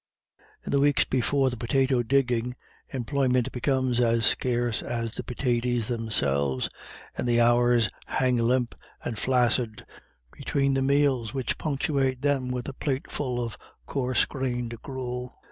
In the weeks before the potato digging, employment becomes as scarce as the pitaties themselves, and the hours hang limp and flaccid between the meals which punctuate them with a plateful of coarse grained gruel.